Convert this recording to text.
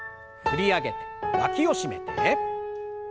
振り上げてわきを締めて。